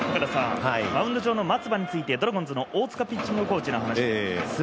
マウンド上の松葉についてドラゴンズの大塚ピッチングコーチの話です。